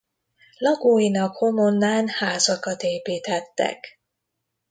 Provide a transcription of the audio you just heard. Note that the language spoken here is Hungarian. Lakóinak Homonnán házakat építettek.